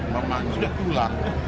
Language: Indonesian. memang sudah pulang